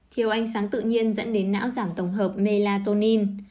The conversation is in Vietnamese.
thiếu ánh sáng tự nhiên dẫn đến não giảm tổng hợp melatonin